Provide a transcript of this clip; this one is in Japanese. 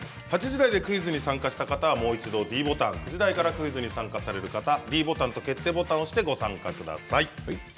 ８時台でクイズに参加した方はもう一度ｄボタン９時台からクイズに参加する方ｄボタンと決定ボタンを押してご参加ください。